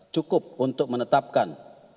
cukup untuk menetapkan